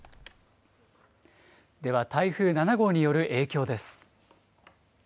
では台風７号による影響です。